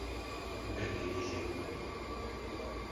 Berényi Zsigmond.